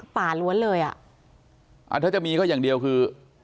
ป่าล้วนเลยอ่ะอ่าถ้าจะมีก็อย่างเดียวคือ